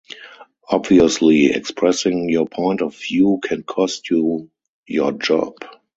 Obviously expressing your point of view can cost you your job.